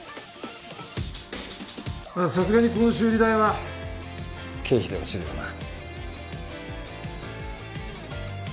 まあさすがにこの修理代は経費で落ちるよな？